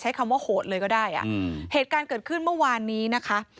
คำว่าโหดเลยก็ได้อ่ะเหตุการณ์เกิดขึ้นเมื่อวานนี้นะคะ